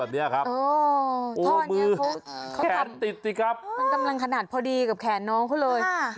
ท่อนี้เขาแขนติดสิครับมันกำลังขนาดพอดีกับแขนน้องเขาเลย